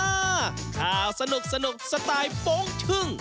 ข่าวสนุกสไตล์โป้งชึ่ง